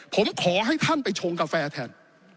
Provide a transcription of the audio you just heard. ผมขอให้ท่านไปชงกาแฟแทน